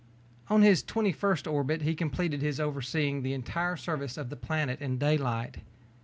On his twenty first orbit he completed his overseeing the entire surface of the planet in daylight.